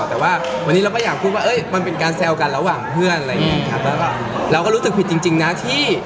แต่ว่าวันนี้เราก็อยากพูดว่าเอ้ยมันเป็นการแซลกันระหว่างเพื่อนอะไรอย่างนี้ครับ